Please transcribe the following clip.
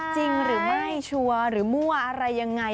จริงหรือไม่ชัวร์หรือมั่วอะไรยังไง